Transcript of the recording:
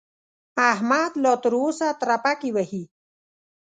احمد لا تر اوسه ترپکې وهي.